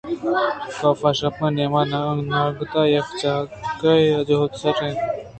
کاف شپ ءِ نیم ءَ ناگتءَ یک جاکے ءَ جہہ سِرّ اِت